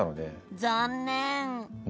残念。